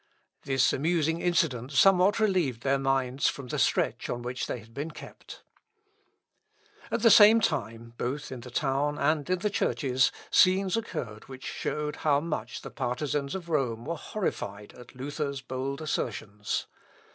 This amusing incident somewhat relieved their minds from the stretch on which they had been kept. L. Op. (W.) xv, 1440. 2 Löscher, iii, p. 281. At the same time, both in the town and in the churches scenes occurred which showed how much the partisans of Rome were horrified at Luther's bold assertions.